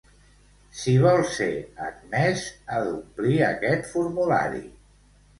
Si vol ser admès, ha d'omplir aquest formulari.